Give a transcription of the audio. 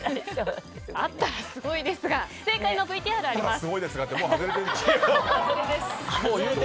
あったらすごいですが正解のＶＴＲあります。